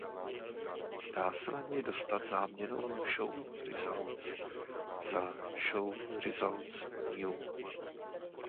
Dá se na něj dostat záměnou show_results za show_results_new.